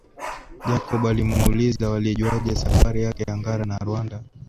Jacob alimuuliza walijuaje safari yake ya Ngara na Rwanda